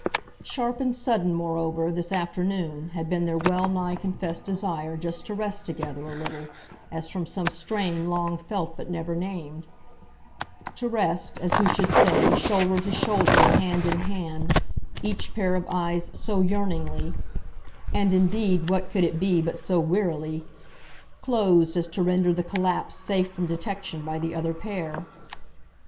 Sharp and sudden, moreover, this afternoon, had been their well nigh confessed desire just to rest together, a little, as from some strain long felt but never named; to rest, as who should say, shoulder to shoulder and hand in hand, each pair of eyes so yearningly and indeed what could it be but so wearily? closed as to render the collapse safe from detection by the other pair.